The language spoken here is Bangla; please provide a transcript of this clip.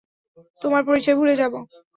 তোমার পরিচয় ভুলে যাবো?